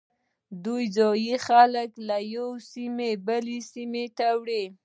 دوی ځایی خلک له یوې سیمې بلې ته وړي